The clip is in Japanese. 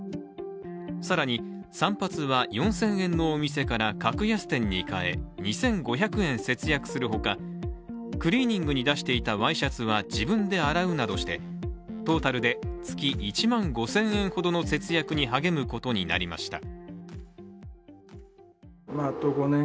更に、散髪は４０００円のお店から格安店に変え、２５００円節約する他クリーニングに出していたワイシャツは自分で洗うなどして、トータルで月１万５０００円ほどの節約に励むことになりました。